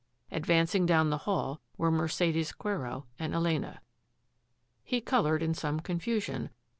Advancing down the hall were Mercedes Quero and Elena. He coloured in some confusion.